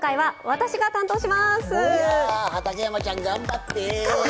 わあ畠山ちゃん頑張って！